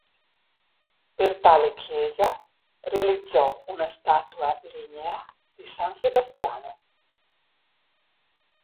Per tale chiesa realizzò una statua lignea di San Sebastiano.